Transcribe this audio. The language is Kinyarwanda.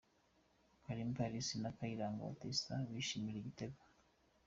Kalimba Alice na Kayiranga Baptiste bishimira igitego.